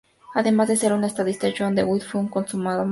Además de ser un estadista Johan de Witt fue un consumado matemático.